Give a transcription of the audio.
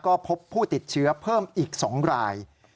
ก็พบผู้ติดเชื้อเพิ่มอีก๒ราย